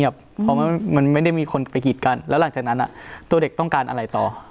จวดคนละแบบเนาะ